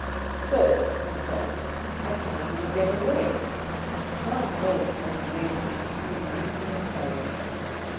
"So," he thought, "I cannot even get away. God knows how many days the marquis will keep me in Paris.